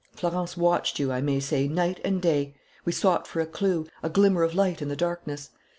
"Florence watched you, I may say, night and day. We sought for a clue, a glimmer of light in the darkness....